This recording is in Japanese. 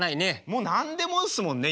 もう何でもっすもんね